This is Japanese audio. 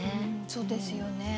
そうですよね。